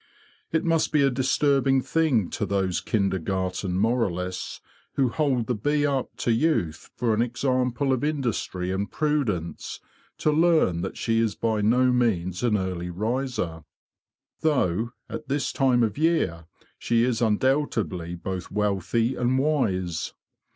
It must be a disturbing thing to those kinder garten moralists who hold the bee up to youth for an example of industry and prudence to learn that she is by no means an early riser; though, at this time of year, she is undoubtedly both wealthy and wise.